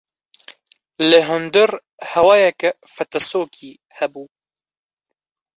Li hundir hewayeke fetisokî hebû.